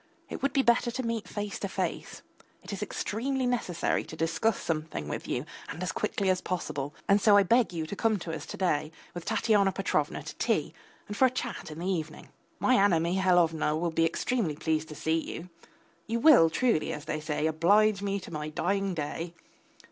it would be better to meet face to face, it is extremely necessary to discuss something with you and as quickly as possible, and so I beg you to come to us to day with Tatyana Petrovna to tea and for a chat in the evening. My Anna Mihalovna will be extremely pleased to see you. You will truly, as they say, oblige me to my dying day.